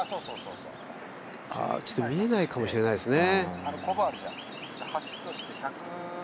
ちょっと見えないかもしれないですね。